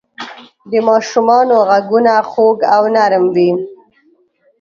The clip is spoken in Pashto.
د ماشومانو ږغونه خوږ او نرم وي.